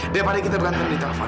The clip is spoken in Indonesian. daripada kita berantem di telepon